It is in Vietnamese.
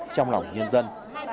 trong lòng nhân dân